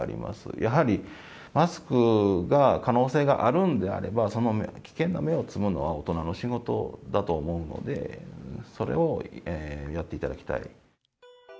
やはりマスクが可能性があるんであれば、その危険な芽を摘むのは大人の仕事だと思うので、それをやっていただきたい。